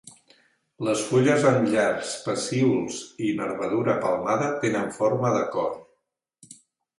Les fulles amb llargs pecíols i nervadura palmada tenen forma de cor.